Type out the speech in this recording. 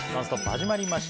始まりました。